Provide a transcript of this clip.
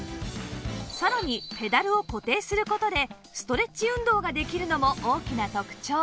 さらにペダルを固定する事でストレッチ運動ができるのも大きな特徴